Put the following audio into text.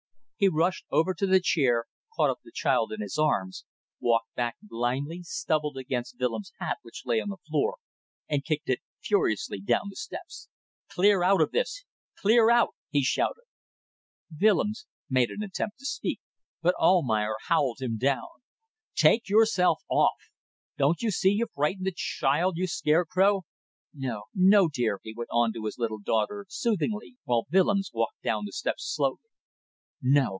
He rushed over to the chair, caught up the child in his arms, walked back blindly, stumbled against Willems' hat which lay on the floor, and kicked it furiously down the steps. "Clear out of this! Clear out!" he shouted. Willems made an attempt to speak, but Almayer howled him down. "Take yourself off! Don't you see you frighten the child you scarecrow! No, no! dear," he went on to his little daughter, soothingly, while Willems walked down the steps slowly. "No.